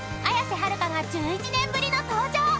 ［綾瀬はるかが１１年ぶりの登場］